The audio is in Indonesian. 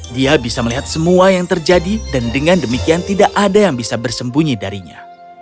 dia bisa melihat semua yang terjadi dan dengan demikian tidak ada yang bisa bersembunyi darinya